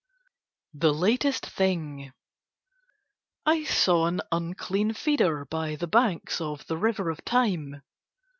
THE LATEST THING I saw an unclean feeder by the banks of the river of Time.